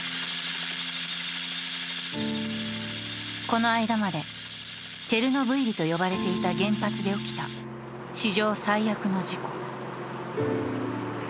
この間までチェルノブイリと呼ばれていた原発で起きた史上最悪の事故。